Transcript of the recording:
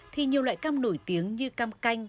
thì nhiều loại cam nổi tiếng như cam canh